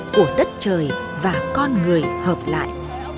của đất trời và con người hợp lại